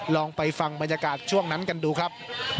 ลองไปฟังบรรยากาศช่วงนั้นกันดูครับ